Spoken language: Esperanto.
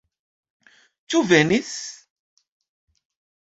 Ĉu venis?